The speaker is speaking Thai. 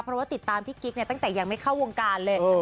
เพราะว่าติดตามพี่กิ๊กตั้งแต่ยังไม่เข้าวงการเลย